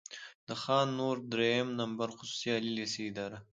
د خان نور دريیم نمبر خصوصي عالي لېسې اداره،